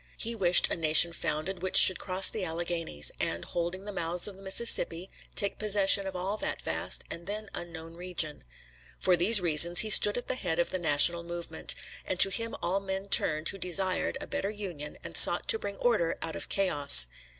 He wished a nation founded which should cross the Alleghanies, and, holding the mouths of the Mississippi, take possession of all that vast and then unknown region. For these reasons he stood at the head of the national movement, and to him all men turned who desired a better union and sought to bring order out of chaos.